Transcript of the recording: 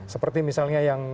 seperti misalnya yang